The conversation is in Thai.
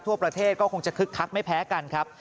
ทั่วประเทศก็คงจะคึกคักไม่แพ้กันครับ